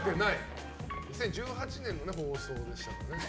２０１８年の放送でしたね。